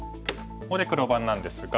ここで黒番なんですが。